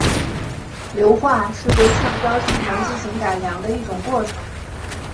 硫化是对橡胶性能进行改良的一种过程。